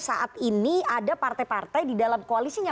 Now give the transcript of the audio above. saat ini ada partai partai di dalam koalisinya